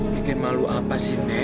bikin malu apa sih dek